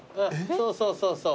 そうそうそうそう。